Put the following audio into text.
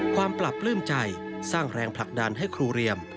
ปรับปลื้มใจสร้างแรงผลักดันให้ครูเรียม